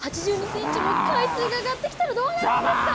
８２ｃｍも海水が上がってきたらどうなるんですか！